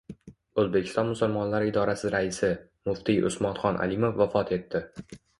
O‘zbekiston musulmonlari idorasi raisi, muftiy Usmonxon Alimov vafot etdi